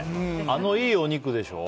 あのいいお肉でしょ。